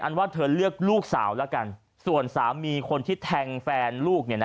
ว่าเธอเลือกลูกสาวแล้วกันส่วนสามีคนที่แทงแฟนลูกเนี่ยนะ